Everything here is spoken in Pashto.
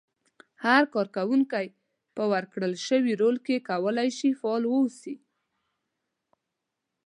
هر کار کوونکی په ورکړل شوي رول کې کولای شي فعال واوسي.